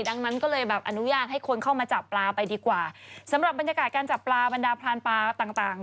ดังนั้นก็เลยแบบอนุญาตให้คนเข้ามาจับปลาไปดีกว่าสำหรับบรรยากาศการจับปลาบรรดาพรานปลาต่างต่าง